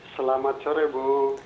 selamat sore bu